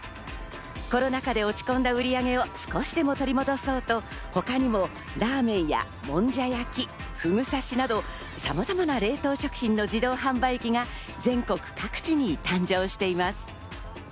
コロナ禍で落ち込んだ売上を少しでも取り戻そうと、他にもラーメンや、もんじゃ焼き、ふぐ刺しなど、さまざまな冷凍食品の自動販売機が全国各地に誕生しています。